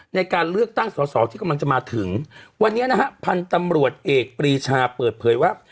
ในการเลือกตั้งสอสอที่กำลังจะมาถึงวันนี้นะฮะพันธุ์ตำรวจเอกปรีชาเปิดเผยว่า